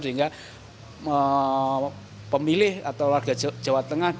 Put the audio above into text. sehingga pemilih atau warga jawa tengah